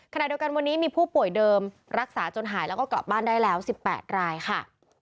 ขณะเดียวกันวันนี้มีผู้ป่วยเดิมรักษาจนหายแล้วก็กลับบ้านได้แล้ว๑๘รายค่ะ